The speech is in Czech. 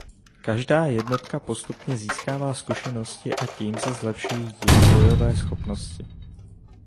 Každá jednotka postupně získává zkušenosti a tím se zlepšují její bojové schopnosti.